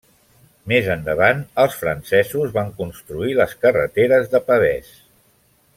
Més endavant, els francesos van construir les carreteres de pavès.